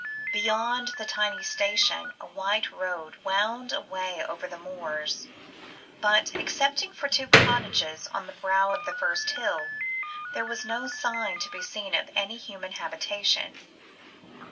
Beyond the tiny station, a white road wound away over the moors, but, excepting for two cottages on the brow of the first hill, there was no sign to be seen of any human habitation.